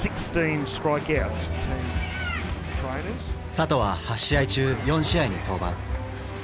里は８試合中４試合に登板。